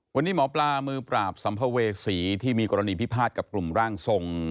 วันนี้หมอปลามือปราบสัมภเวษีที่มีกรณีพิพาทกับกลุ่มร่างทรง